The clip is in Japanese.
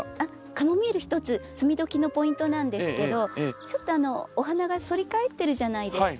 カモミール一つ摘みどきのポイントなんですけどちょっとお花が反り返ってるじゃないですか。